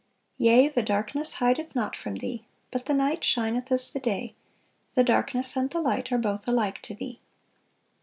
"Yea, the darkness hideth not from Thee; but the night shineth as the day: the darkness and the light are both alike to Thee."